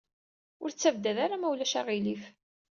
Ur ttabdad ara, ma ulac aɣilif.